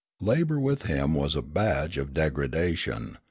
Labour with him was a badge of degradation.